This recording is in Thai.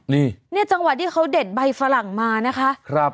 เนี่ยจังหวัดที่เขาเด็ดใบฝรั่งมานะคะ